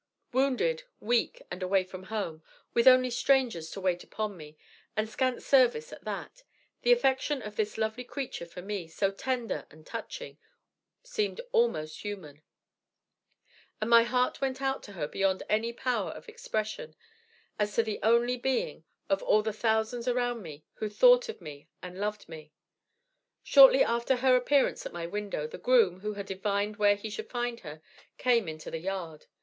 Wounded, weak, and away from home, with only strangers to wait upon me, and scant service at that, the affection of this lovely creature for me, so tender and touching, seemed almost human, and my heart went out to her beyond any power of expression, as to the only being, of all the thousands around me, who thought of me and loved me. Shortly after her appearance at my window, the groom, who had divined where he should find her, came into the yard.